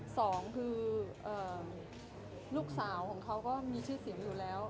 สองคือลูกสาวของเขาก็มีชื่อเสียงอยู่แล้ว